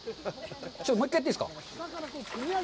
ちょっともう一回やっていいですか？